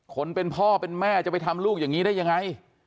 คนเป็นพ่อเป็นแม่จะไปทำลูกอย่างนี้ได้ยังไง